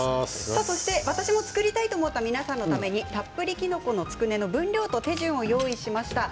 私も作りたいと思った皆さんのためにたっぷりきのこのつくねの分量と手順を用意しました。